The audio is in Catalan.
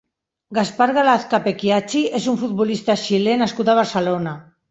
Gaspar Galaz Capechiacci és un futbolista xilè nascut a Barcelona.